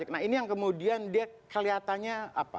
nah ini yang kemudian dia kelihatannya apa